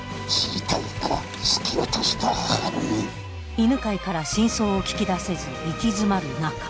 犬飼から真相を聞き出せず行き詰まる中。